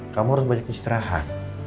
kamu harus banyak istirahat